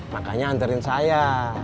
makanya anterin saya